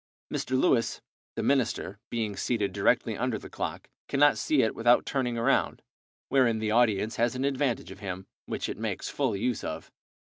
Mr. Lewis, the minister, being seated directly under the clock, cannot see it without turning around, wherein the audience has an advantage of him, which it makes full use of.